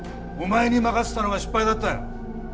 お前に任せたのが失敗だったよ！